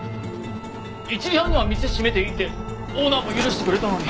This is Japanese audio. １時半には店閉めていいってオーナーも許してくれたのに。